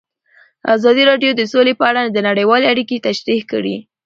ازادي راډیو د سوله په اړه نړیوالې اړیکې تشریح کړي.